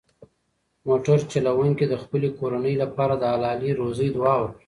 موټر چلونکي د خپلې کورنۍ لپاره د حلالې روزۍ دعا وکړه.